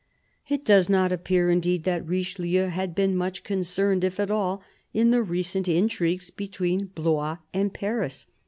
It does not appear indeed that Richelieu had been much concerned, if at all, in the recent intrigues between Blois and Paris.